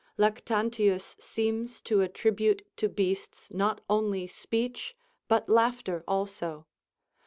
Lactantius seems to attribute to beasts not only speech, but laughter also.